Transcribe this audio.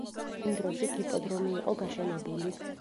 იმ დროს იქ იპოდრომი იყო გაშენებული.